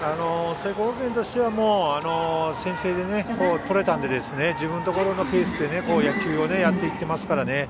聖光学院としては先制点を取れたので自分のところのペースで野球をやっていっていますから。